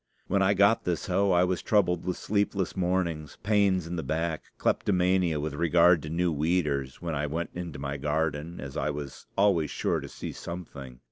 When I got this hoe, I was troubled with sleepless mornings, pains in the back, kleptomania with regard to new weeders; when I went into my garden I was always sure to see something.